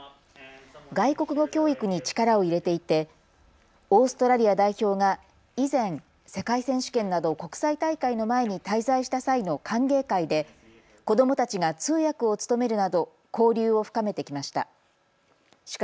外国語教育に力を入れていてオーストラリア代表が以前、世界選手権など国際大会の前に滞在した際の歓迎会で子どもたちが通訳を務めるなど交流を深めてきました。